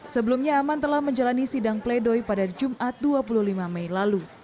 sebelumnya aman telah menjalani sidang pledoi pada jumat dua puluh lima mei lalu